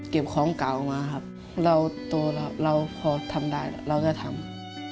เก็บของเก่ามาครับเราตัวเราพอทำได้เราก็ทำ